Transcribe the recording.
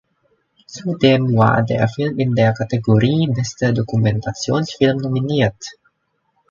Zudem war der Film in der Kategorie "Bester Dokumentationsfilm" nominiert.